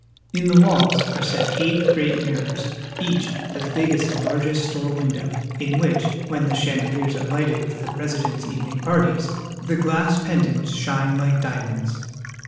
In the walls are set eight great mirrors, each as big as the largest store window, in which, when the chandeliers are lighted for the President's evening parties, the glass pend ants shine like diamonds.